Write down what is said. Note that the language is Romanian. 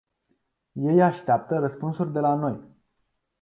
Ei așteaptă răspunsuri de la noi.